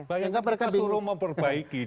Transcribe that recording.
banyak yang disuruh memperbaiki